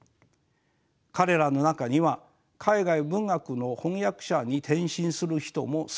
彼らの中には海外文学の翻訳者に転身する人も少なくありません。